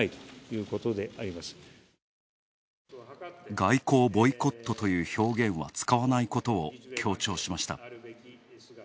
外交ボイコットという表現は使わないことを強調しました。